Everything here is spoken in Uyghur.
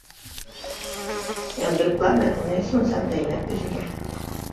ياندۇرۇپلا مەن ئۇنى، سۇنسام دەيمەن ئۆزىگە.